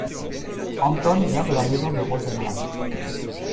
Anton vient de la maison de Rotenhan.